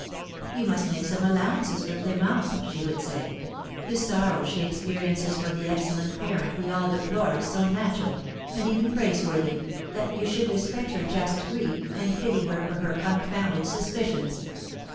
'You must make some allowances for Clémence,' she would say; 'the sorrow she experiences for the excellent parent we all deplore is so natural, and even praiseworthy, that you should respect her just grief, and pity her for her unfounded suspicions.'